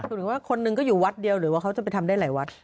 ถึงว่าคนหนึ่งก็อยู่วัดเดียวหรือว่าเขาจะไปทำได้หลายวัด